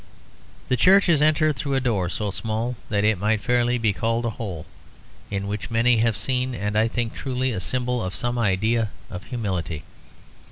The church is entered through a door so small that it it might fairly be called a hole, in which many have seen, and I think truly, a symbol of some idea of humility.